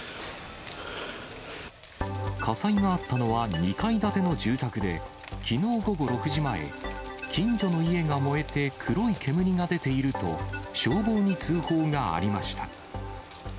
火災があったのは２階建ての住宅で、きのう午後６時前、近所の家が燃えて、黒い煙が出ていると、消防に通報がありました。